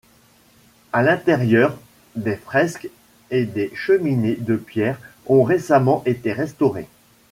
À l’intérieur, des fresques et des cheminées de pierre ont récemment été restaurées.